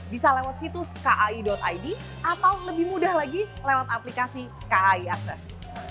bisa lewat situs kai id atau lebih mudah lagi lewat aplikasi kai akses